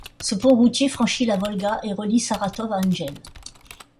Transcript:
Ce pont routier franchit la Volga et relie Saratov à Engels.